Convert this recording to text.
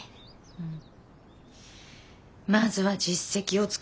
うん。